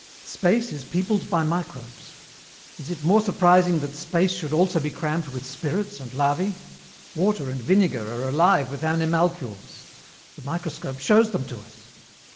Space is peopled by microbes. Is it more surprising that space should also be crammed with spirits and larvæ? Water and vinegar are alive with animalcules. The microscope shows them to us.